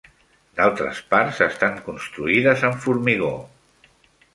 D'altres parts estan construïdes amb formigó.